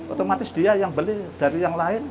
otomatis dia yang beli dari yang lain